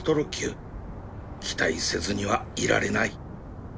期待せずにはいられない